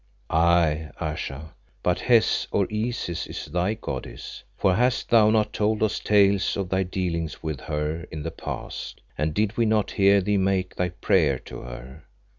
"Aye, Ayesha, but Hes or Isis is thy goddess, for hast thou not told us tales of thy dealings with her in the past, and did we not hear thee make thy prayer to her?